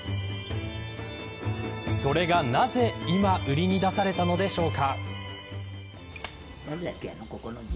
それがなぜ今、売りに出されたのでしょうか。